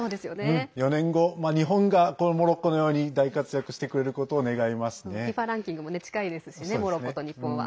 ４年後、日本がモロッコのように大活躍してくれることをＦＩＦＡランキングも近いですしね、モロッコと日本は。